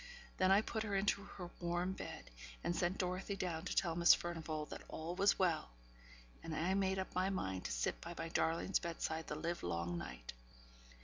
Then I put her into her warm bed, and sent Dorothy down to tell Miss Furnivall that all was well; and I made up my mind to sit by my darling's bedside the live long night.